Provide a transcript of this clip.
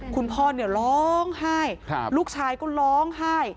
คุณพ่อเนี่ยร้องไห้ลูกชายก็ร้องไห้